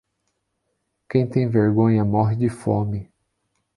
Quem tem vergonha morre de fome.